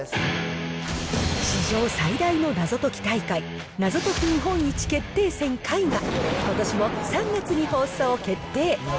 史上最大の謎解き大会、謎解き日本一決定戦Ｘが、ことしも３月に放送決定。